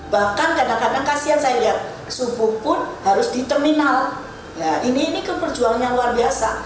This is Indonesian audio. bahkan kadang kadang kasian saya lihat subuh pun harus di terminal ya ini kan perjuangan yang luar biasa